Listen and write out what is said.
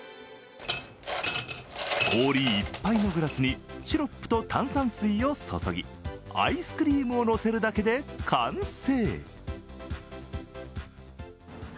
氷いっぱいのグラスにシロップと炭酸水を注ぎアイスクリームを乗せるだけで完成。